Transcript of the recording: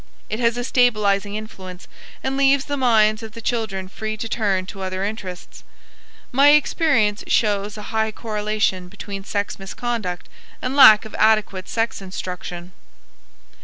It has a stabilizing influence and leaves the minds of the children free to turn to other interests. My experience shows a high correlation between sex misconduct and lack of adequate sex instruction.